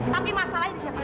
tapi masalah ini siapa